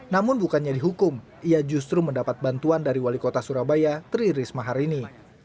namun bukannya dihukum ia justru mendapat bantuan dari wali kota surabaya tri risma hari ini